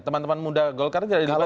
teman teman muda golkar tidak dilibatkan